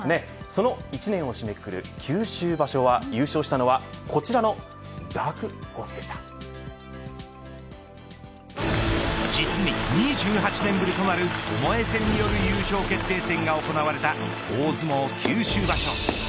その１年を締めくくる九州場所優勝したのはこちらの実に２８年ぶりとなるともえ戦による優勝決定戦が行われた大相撲九州場所。